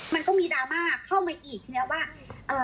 มันก็มีดราม่าเข้ามาอีกทีแล้วว่าเอ่อ